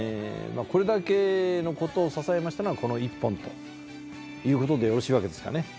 これだけのことを支えましたのがこの１本ということでよろしいわけですかね？